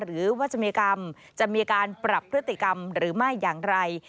หรือว่าจะมีกรรมจะมีการปรับพฤติกรรมหรือไม่อย่างไร